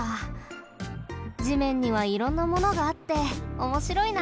地面にはいろんなものがあっておもしろいな。